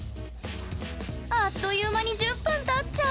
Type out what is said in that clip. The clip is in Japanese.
あっという間に１０分たっちゃう！